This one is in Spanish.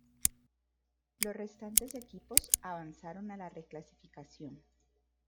Los restantes equipos avanzaron a la reclasificación.